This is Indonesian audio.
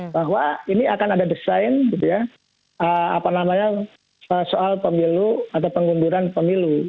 bahwa ini akan ada desain gitu ya apa namanya soal pemilu atau pengunduran pemilu